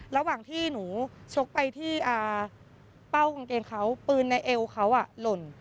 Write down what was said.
ระหว่างที่หนูชกไปที่เป้ากางเกงเขาปืนในเอวเขาหล่น